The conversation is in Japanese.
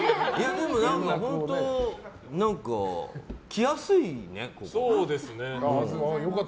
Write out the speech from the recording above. でも、来やすいね